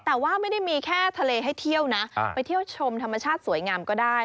แต่ว่าไม่ได้มีแค่ทะเลให้เที่ยวนะไปเที่ยวชมธรรมชาติสวยงามก็ได้